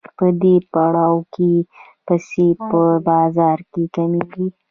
په دې پړاو کې پیسې په بازار کې کمېږي